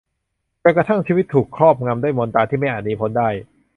จนกระทั่งชีวิตถูกครอบงำด้วยมนตราที่ไม่อาจหนีพ้นได้